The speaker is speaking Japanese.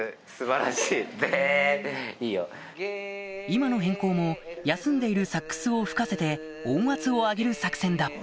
今の変更も休んでいるサックスを吹かせて音圧を上げる作戦だ